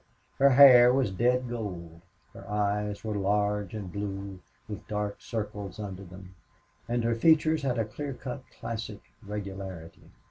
Her hair was dead gold; her eyes were large and blue, with dark circles under them; and her features had a clear cut classic regularity.